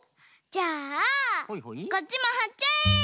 じゃあこっちもはっちゃえ！